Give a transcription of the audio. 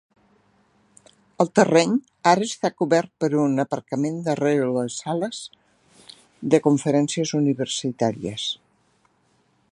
El terreny ara està cobert per un aparcament darrere de les sales de conferències universitàries.